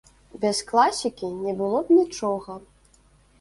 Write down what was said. Без класікі не было б нічога.